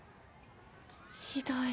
ひどい。